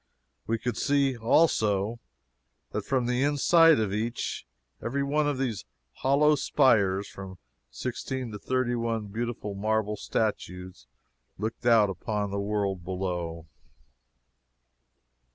We could see, also, that from the inside of each and every one of these hollow spires, from sixteen to thirty one beautiful marble statues looked out upon the world below.